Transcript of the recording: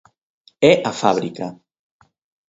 É a fábrica.